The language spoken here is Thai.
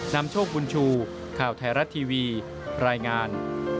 นำโชคบุญชูข่าวไทยรัฐทีวีรายงาน